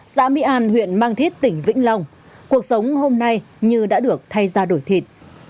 xã mỹ an huyện mang thít tỉnh vĩnh long cuộc sống hôm nay như đã được thay ra đổi thịt